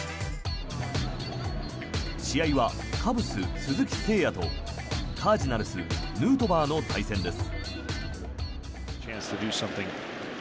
試合はカブス、鈴木誠也とカージナルス、ヌートバーの対戦です。